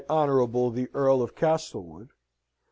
Honourable the Earl of Castlewood.